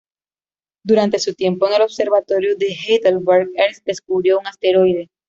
Durante su tiempo en el Observatorio de Heidelberg, Ernst descubrió un asteroide.